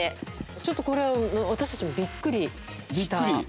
ちょっとこれは私たちもびっくりした。